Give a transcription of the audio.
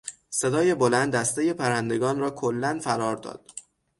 صدای بلند دستهی پرندگان را کلا فرار داد.